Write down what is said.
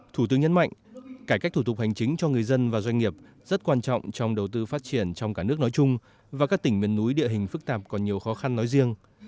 thủ tướng nhấn mạnh cải cách thủ tục hành chính cho người dân và doanh nghiệp rất quan trọng trong đầu tư phát triển trong cả nước nói chung và các tỉnh miền núi địa hình phức tạp còn nhiều khó khăn nói riêng